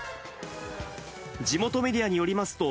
地元メディアによりますと、